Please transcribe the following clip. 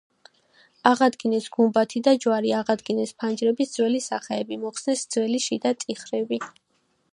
აღადგინეს გუმბათი და ჯვარი, აღადგინეს ფანჯრების ძველი სახეები, მოხსნეს ძველი შიდა ტიხრები.